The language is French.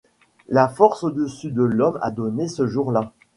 La force au-dessus de l’homme a donné ce jour-là.